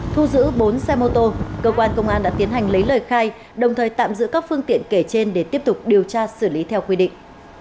thu giữ bốn xe mô tô cơ quan công an đã tiến hành lấy lời khai đồng thời tạm giữ các phương tiện kể trên để tiếp tục điều tra xử lý theo quy định